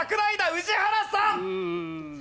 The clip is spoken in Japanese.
宇治原さん！